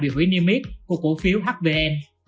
biểu hủy niêm mít của cụ phiếu hvn